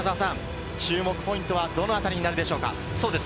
注目ポイントはどのあたりになるでしょうか？